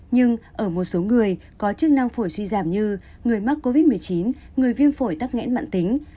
nhưng ở một số người có chức năng phổi suy giảm như người mắc covid một mươi chín người viêm phổi tắc nghẽn mạng tính